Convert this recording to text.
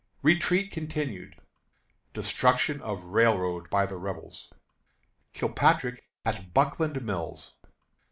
Retreat Continued. Destruction of Railroad by the Rebels. Kilpatrick at Buckland Mills.